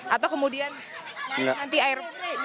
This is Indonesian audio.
atau kemudian nanti air